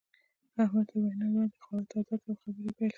احمد تر وينا وړاندې غاړه تازه کړه او خبرې يې پيل کړې.